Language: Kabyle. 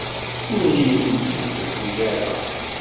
Ur iyi-tent-id tewwi ara.